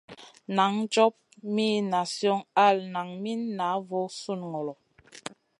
Nan job mi nazion al nan mi na voo sùn ŋolo.